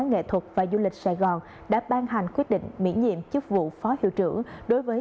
nghệ thuật và du lịch sài gòn đã ban hành quyết định miễn nhiệm chức vụ phó hiệu trưởng đối với